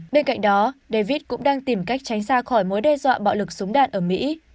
bên cạnh đó david cũng đang tìm cách tránh xa khỏi mối đe dọa bạo lực súng đạn ở mỹ